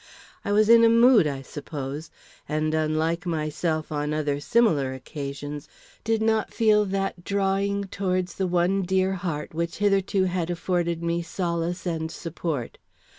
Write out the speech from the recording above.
I was in a mood, I suppose, and, unlike myself on other similar occasions, did not feel that drawing towards the one dear heart which hitherto had afforded me solace and support.